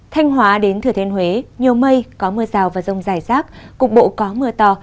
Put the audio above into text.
thanh hóa đến thừa thiên huế nhiều mây có mưa rào và rông dài rác cục bộ có mưa to